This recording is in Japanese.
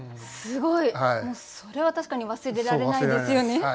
すごい！それは確かに忘れられないですよね。